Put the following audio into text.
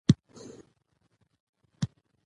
اداري فساد یوازې اقتصاد نه بلکې مشروعیت هم زیانمنوي